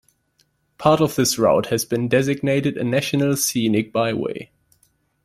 Part of this route has been designated a National Scenic Byway.